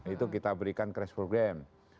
itu kita berikan crash program